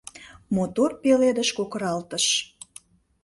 Мотор пеледыш кокыралтыш.